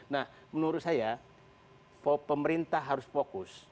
nah menurut saya pemerintah harus fokus